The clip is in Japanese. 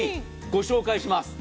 ご紹介します。